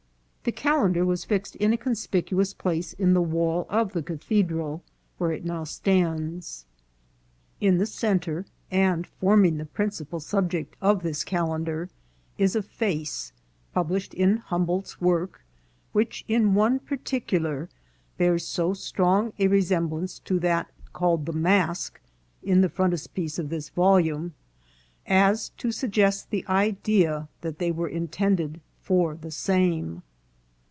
The calendar was fixed in a conspicuous place in the wall of the Cathedral, where it now stands. In the centre, and forming the principal subject of this calendar, is a face, published in Humboldt's work, which in one particular bears so strong a resemblance to that called the mask, in the frontispiece of this volume, as to suggest the idea that they were intended for the same.